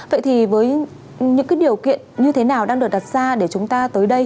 vậy thì những cái điều kiện như thế nào đang được đặt ra khi chúng ta tới đây